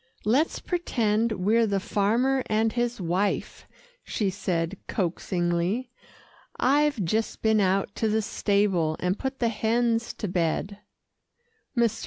"Let's pretend we're the farmer and his wife," she said coaxingly. "I've just been out to the stable, and put the hens to bed." Mr.